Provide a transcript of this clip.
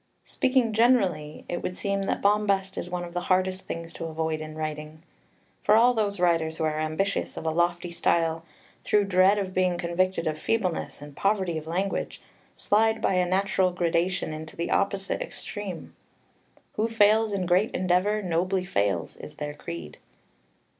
3 Speaking generally, it would seem that bombast is one of the hardest things to avoid in writing. For all those writers who are ambitious of a lofty style, through dread of being convicted of feebleness and poverty of language, slide by a natural gradation into the opposite extreme. "Who fails in great endeavour, nobly fails," is their creed.